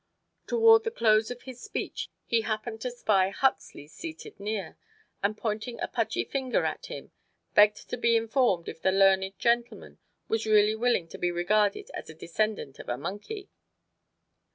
Toward the close of his speech he happened to spy Huxley seated near, and pointing a pudgy finger at him, "begged to be informed if the learned gentleman was really willing to be regarded as a descendant of a monkey?"